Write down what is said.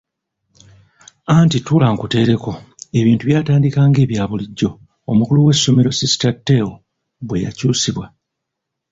Anti tuula nkuteereko; ebintu byatandika ng'ebya bulijjo omukulu w'essomero sisita Teo bwe yakyusibwa.